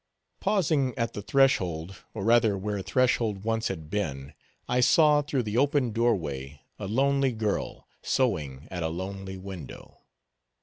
Pausing at the threshold, or rather where threshold once had been, I saw, through the open door way, a lonely girl, sewing at a lonely window.